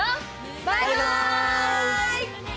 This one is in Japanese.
バイバイ！